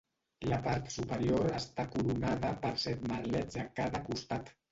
La part superior està coronada per set merlets a cada costat.